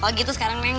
kalau gitu sekarang neng